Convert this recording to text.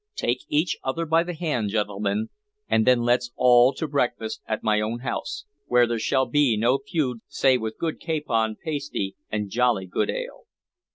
"Take each other by the hand, gentlemen, and then let 's all to breakfast at my own house, where there shall be no feud save with good capon pasty and jolly good ale."